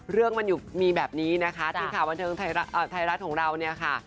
เรื่องมันอยู่มีแบบนี้นะคะทีมข่าวบันเทิงไทยรัฐของเราเนี่ยค่ะ